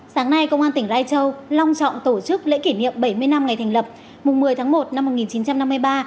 sáng nay công an tỉnh lai châu long trọng tổ chức lễ kỷ niệm bảy mươi năm ngày thành lập mùng một mươi tháng một năm một nghìn chín trăm năm mươi ba